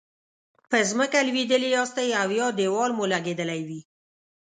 په ځمکه لویدلي یاستئ او یا دیوال مو لګیدلی وي.